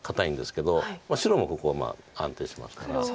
白もここ安定しますから。